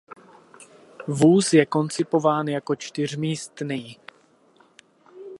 Vůz je koncipován jako čtyřmístný.